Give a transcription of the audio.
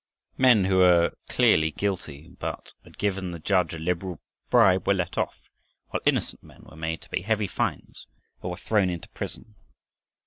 Men who were plainly guilty but who had given their judge a liberal bribe were let off, while innocent men were made to pay heavy fines or were thrown into prison.